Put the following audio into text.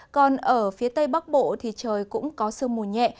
còn ở phía tây bắc bộ thì trời cũng có sương mù nhẹ